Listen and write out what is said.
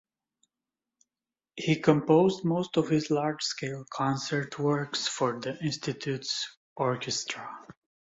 He composed most of his large-scale concert works for the Institute's orchestra.